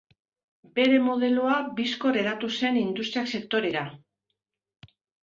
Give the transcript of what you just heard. Bere modeloa bizkor hedatu zen industria-sektorera.